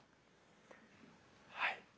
はい。